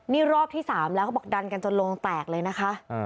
นี่รอบที่๓แล้วเขาบอกดันกันจนลงแตกเลยนะคะ